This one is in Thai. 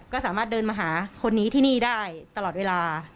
ก็สามารถเดินมาหาคนนี้ที่นี่ได้ตลอดเวลา